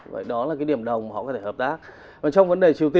vậy đó là cái điểm đồng họ có thể hợp tác